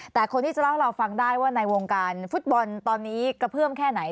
แต่คนที่จะเล่าให้เราฟังได้ว่าในวงการฟุตบอลตอนนี้กระเพื่อมแค่ไหน